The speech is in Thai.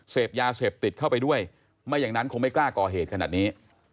เสพยาเสพติดเข้าไปด้วยไม่อย่างนั้นคงไม่กล้าก่อเหตุขนาดนี้